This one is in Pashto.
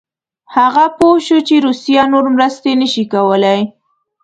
هغه پوه شو چې روسیه نور مرستې نه شي کولای.